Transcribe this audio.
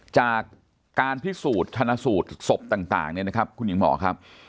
จากการพิสูจน์ชนะสูตรศพต่างเนี่ยนะครับคุณหญิงหมอครับ